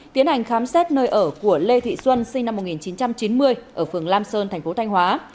tiến hành khám xét nơi ở của lê thị xuân sinh năm một nghìn chín trăm chín mươi ở phường lam sơn thành phố thanh hóa